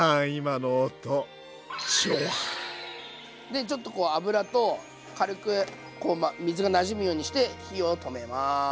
でちょっとこう油と軽く水がなじむようにして火を止めます。